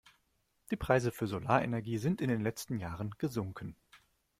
Die Preise für Solarenergie sind in den letzten Jahren gesunken.